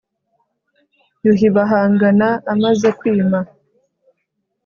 yuhi bahangana amaze kwima